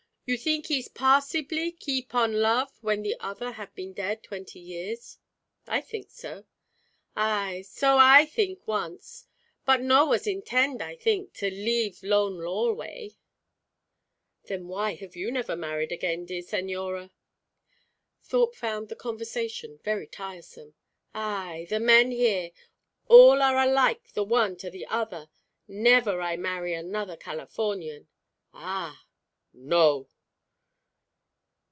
You think ees possiblee keep on love when the other have been dead twenty years?" "I think so." "Ay! So I theenk once. But no was intend, I theenk, to live 'lone alway." "Then why have you never married again, dear señora!" Thorpe found the conversation very tiresome. "Ay! The men here all are alike the one to the other. Never I marry another Californian." "Ah!" "No!"